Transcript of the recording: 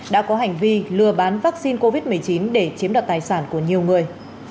đã có hành vi lừa bán vaccine covid một mươi chín để chiếm đoạt tài sản của nhiều người